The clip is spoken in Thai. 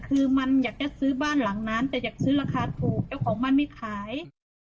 คือมันอยากจะซื้อบ้านหลังนั้นแต่อยากซื้อราคาถูกเจ้าของบ้านไม่ขาย